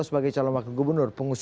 sebagai calon wakil gubernur dki jakarta